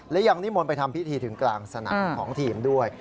และยังนิมนต์ไปทำพิธีถึงกลางสนามของทีมด้วย